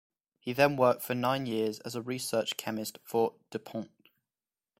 He then worked for nine years as a research chemist for DuPont.